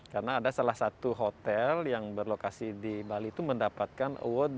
karena ada salah satu hotel yang berlokasi di bali itu mendapatkan award